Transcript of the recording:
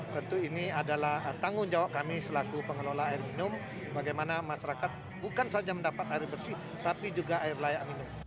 tentu ini adalah tanggung jawab kami selaku pengelola air minum bagaimana masyarakat bukan saja mendapat air bersih tapi juga air layak minum